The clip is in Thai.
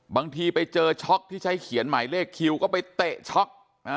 บางทีไปเจอช็อกที่ใช้เขียนหมายเลขคิวก็ไปเตะช็อก